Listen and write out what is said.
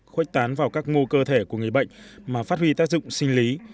khuếch tán vào các ngô cơ thể của người bệnh mà phát huy tác dụng sinh lý